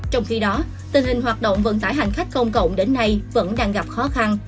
trong khi đó tình hình hoạt động vận tải hành khách công cộng đến nay vẫn đang gặp khó khăn